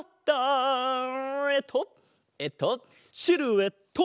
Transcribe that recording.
えっとえっとシルエット。